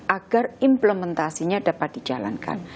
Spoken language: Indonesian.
agar implementasinya dapat dijalankan